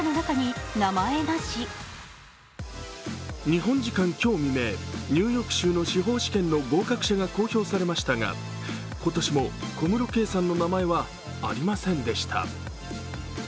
日本時間今日未明、ニューヨーク州の司法試験の合格者が公表されましたが今年も小室圭さんの名前はありませんでした。